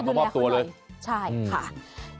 ช่วยดูแลเขาหน่อยช่วยภาพแต่ล่ะ